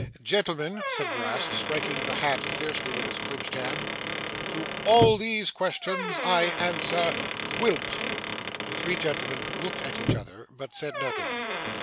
Gentlemen,' said Brass, striking the hat fiercely with his clenched hand, 'to all these questions I answer Quilp!' The three gentlemen looked at each other, but said nothing.